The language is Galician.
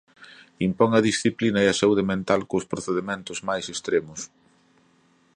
Impón a disciplina e a saúde mental cos procedementos máis extremos.